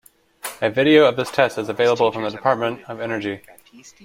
A video of this test is available from the Department of Energy.